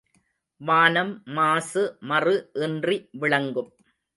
வானம் மாசு மறு இன்றி விளங்கும்.